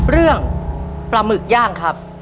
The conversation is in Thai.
เรื่องปลาหมึกย่างครับ